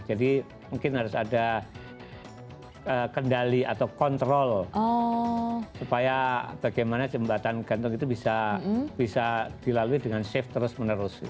jadi mungkin harus ada kendali atau kontrol supaya bagaimana jembatan gantung itu bisa dilalui dengan safe terus menerus